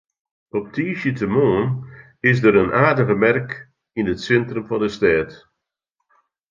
Op tiisdeitemoarn is der in aardige merk yn it sintrum fan de stêd.